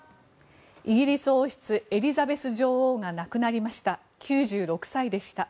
イギリス王室、エリザベス女王が亡くなりました。